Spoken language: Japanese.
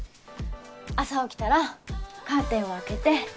朝起きたらカーテンを開けて